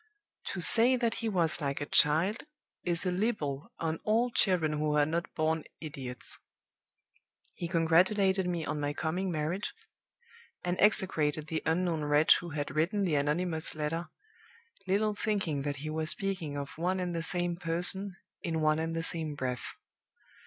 To say that he was like a child is a libel on all children who are not born idiots. He congratulated me on my coming marriage, and execrated the unknown wretch who had written the anonymous letter, little thinking that he was speaking of one and the same person in one and the same breath.